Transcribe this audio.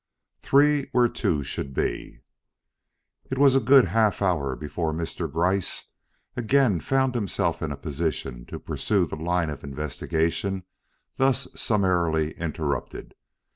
V THREE WHERE TWO SHOULD BE It was a good half hour before Mr. Gryce again found himself in a position to pursue the line of investigation thus summarily interrupted.